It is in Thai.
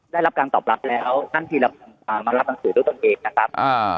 ได้รับการตอบรับแล้วท่านที่มารับหนังสือด้วยตนเองนะครับ